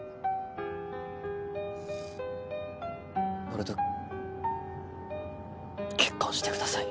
俺と結婚してください。